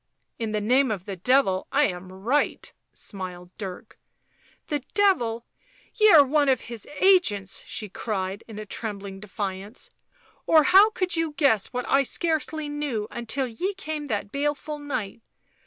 " In the name of the Devil I am right," smiled Dirk. " The Devil ! Ye are one of his agents !" she cried in a trembling defiance. " Or how could you guess what I scarcely knew until ye came that baleful night